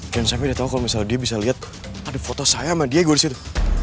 jangan sampai dia tahu kalau misalnya dia bisa lihat ada foto saya sama diego disitu